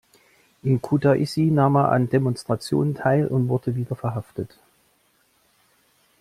In Kutaissi nahm er an Demonstrationen teil und wurde wieder verhaftet.